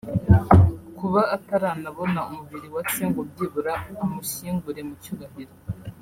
Kuba ataranabona umubiri wa se ngo byibura amushyingure mu cyubahiro